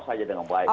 saya dengan baik